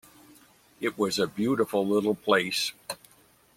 It was a beautiful little place.